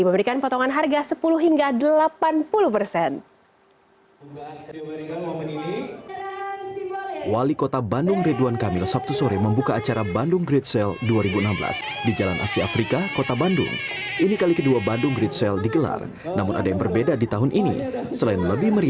memberikan potongan harga sepuluh hingga delapan puluh persen